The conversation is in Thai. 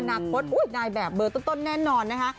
อนาคตนายแบบเบอร์ต้นแน่นอนนะคะ